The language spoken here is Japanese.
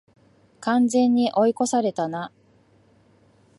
完全に追い越されたな